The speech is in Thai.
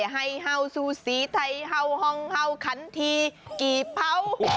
ไฮฮาวซูศรีไทฮาวฮองฮาวขันทีกี่เพ้า